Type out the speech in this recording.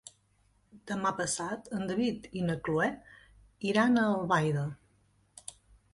Demà passat en David i na Cloè iran a Albaida.